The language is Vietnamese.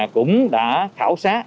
cũng đã khảo sát